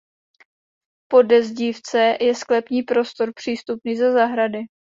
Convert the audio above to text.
V podezdívce je sklepní prostor přístupný ze zahrady.